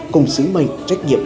cùng sứ mệnh trách nhiệm